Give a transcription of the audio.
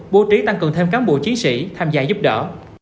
bố trí tăng cường thêm cán bộ chiến sĩ tham gia giúp đỡ